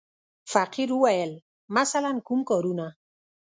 فقیر وویل: مثلاً کوم کارونه.